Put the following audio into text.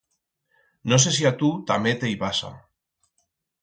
No sé si a tu tamé te i pasa.